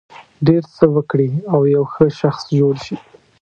ډېر څه وکړي او یو ښه شخص جوړ شي.